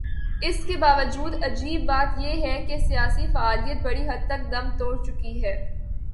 اس کے باوجود عجیب بات یہ ہے کہ سیاسی فعالیت بڑی حد تک دم توڑ چکی ہے۔